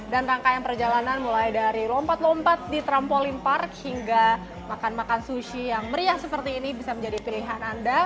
dan rangkaian perjalanan mulai dari lompat lompat di trampolin park hingga makan makan sushi yang meriah seperti ini bisa menjadi pilihan anda